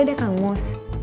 tadi ada kang mus